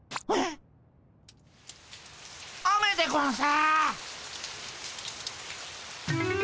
雨でゴンス。